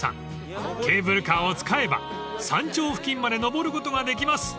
ケーブルカーを使えば山頂付近まで上ることができます］